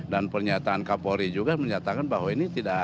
dan pernyataan kapolri juga menyatakan bahwa ini tidak ada